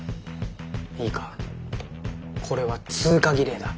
いいかこれは通過儀礼だ。